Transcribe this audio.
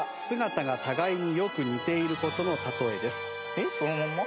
えっそのまんま？